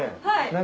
はい。